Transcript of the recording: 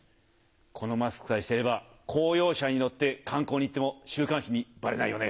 このマスクさえしていれば公用車に乗って観光に行っても週刊誌にバレないよね。